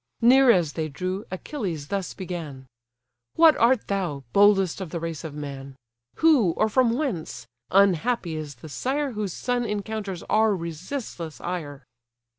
Near as they drew, Achilles thus began: "What art thou, boldest of the race of man? Who, or from whence? Unhappy is the sire Whose son encounters our resistless ire."